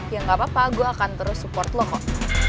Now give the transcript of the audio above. ya gak apa apa gue akan terus support loh kok